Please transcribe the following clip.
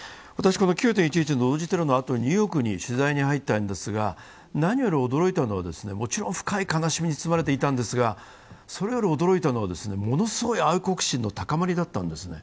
９・１１同時テロのあとにニューヨークに取材に入ったんですが、何より驚いたのは、もちろん深い悲しみに包まれていたんですがそれより驚いたのはものすごい愛国心の高まりだったんですね。